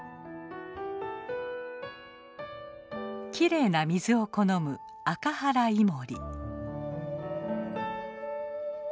きれいな水を好むアカハライモリ。